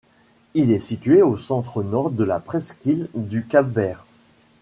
Il est situé au centre-nord de la presqu'île du Cap-Vert.